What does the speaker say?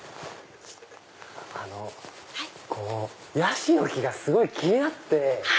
あのヤシの木がすごい気になって。